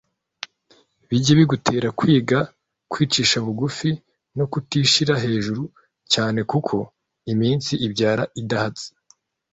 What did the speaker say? Bijye bigutera kwiga kwicisha bugufi no kutishyira hejuru cyane kuko iminsi ibyara idahatse